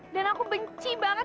dan aku benci banget